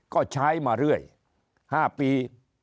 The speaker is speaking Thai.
ก็ใช้มาเรื่อย๕ปี